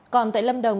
còn tại lâm đồng